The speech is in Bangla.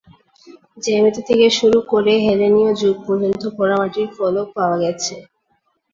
জ্যামিতি থেকে শুরু করে হেলেনীয় যুগ পর্যন্ত পোড়ামাটির ফলক পাওয়া গেছে।